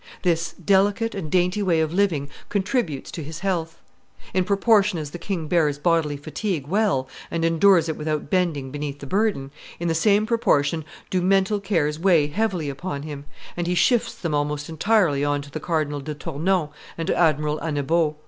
This delicate and dainty way of living contributes to his health. In proportion as the king bears bodily fatigue well, and endures it without bending beneath the burden, in the same proportion do mental cares weigh heavily upon him, and he shifts them almost entirely on to Cardinal de Tournon and Admiral Annebault.